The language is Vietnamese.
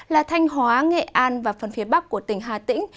là thanh hóa nghệ an và phần phía bắc của tỉnh hà tĩnh